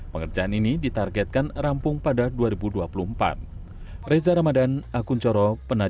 pengerjaan ini ditargetkan rampung pada dua ribu dua puluh empat